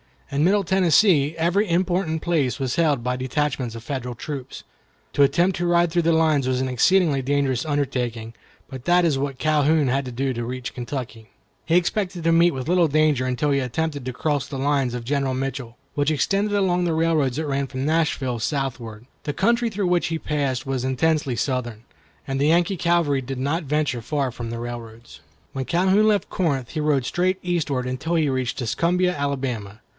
In Middle Tennessee every important place was held by detachments of Federal troops. To attempt to ride through the lines was an exceedingly dangerous undertaking, but that is what Calhoun had to do to reach Kentucky. He expected to meet with little danger until he attempted to cross the lines of General Mitchell, which extended along the railroads that ran from Nashville southward. The country through which he had to pass was intensely Southern, and the Yankee cavalry did not venture far from the railroads. When Calhoun left Corinth, he rode straight eastward, until he reached Tuscumbia, Alabama.